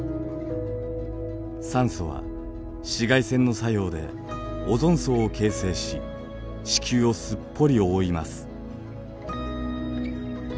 酸素は紫外線の作用でオゾン層を形成し地球をすっぽり覆います。